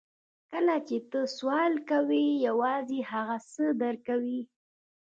کله چې ته سوال کوې یوازې هغه څه درکوي